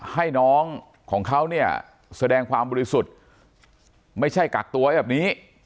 ให้น้องของเขาเนี่ยแสดงความบริสุทธิ์ไม่ใช่กักตัวไว้แบบนี้